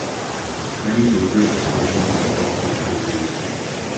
Many deliberate distortions and falsehoods were used.